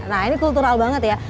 nah ini kultural banget ya